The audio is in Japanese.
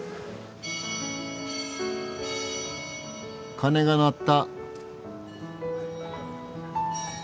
鐘が鳴った。